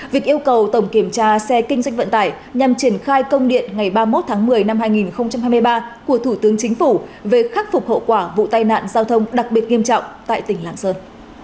việc yêu cầu tổng kiểm tra xe kinh doanh vận tải nhằm triển khai công điện ngày ba mươi một tháng một mươi năm hai nghìn hai mươi ba của thủ tướng chính phủ về khắc phục hậu quả vụ tai nạn giao thông đặc biệt nghiêm trọng tại tỉnh lạng sơn